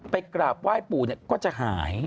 กราบไหว้ปู่ก็จะหาย